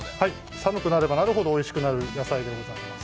寒くなればなるほどおいしくなる野菜でございます。